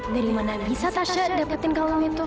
dari mana bisa tasya dapetin kamu itu